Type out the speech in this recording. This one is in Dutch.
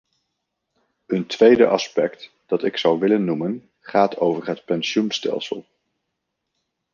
Een tweede aspect dat ik zou willen noemen, gaat over het pensioenstelsel.